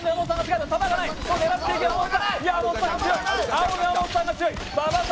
青の山本さんが強い！